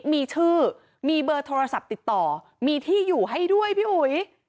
มีชื่อมีเบอร์โทรศัพท์ติดต่อมีที่อยู่ให้ด้วยพี่อุ๋ย